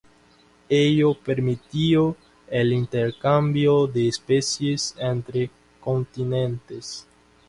Ello permitió el intercambio de especies entre continentes.